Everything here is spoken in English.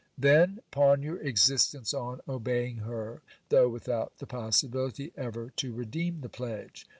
Then pawn your existence on obeying her, though without the pos sibility ever to redeem the pledge.